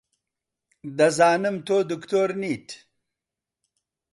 دەزانم تۆ دکتۆر نیت.